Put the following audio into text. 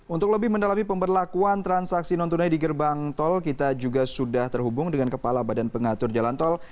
untuk lebih mendalami pemberlakuan transaksi non tunai di gerbang tol kita juga sudah terhubung dengan kepala badan pengatur jalan tol